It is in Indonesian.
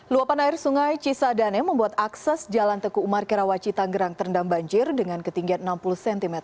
luapan air sungai cisadane membuat akses jalan teguh umar karawaci tanggerang terendam banjir dengan ketinggian enam puluh cm